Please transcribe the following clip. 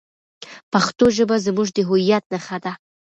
پښتو ژبه زموږ د هویت نښه ده.